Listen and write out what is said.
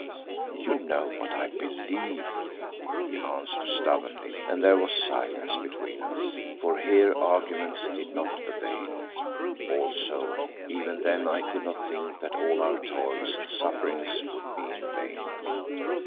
"You know what I believe," he answered stubbornly, and there was silence between us, for here arguments did not avail. Also even then I could not think that all our toils and sufferings would be in vain.